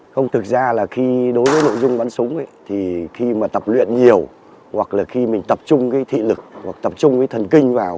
không thực ra là khi đối với nội dung bắn súng ấy thì khi mà tập luyện nhiều hoặc là khi mình tập trung cái thị lực hoặc tập trung cái thần kinh vào